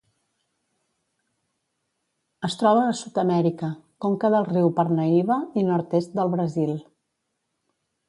Es troba a Sud-amèrica: conca del riu Parnaíba i nord-est del Brasil.